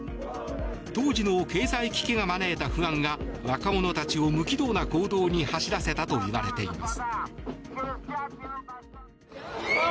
当時の経済危機が招いた不安が若者たちを無軌道な行動に走らせたといわれています。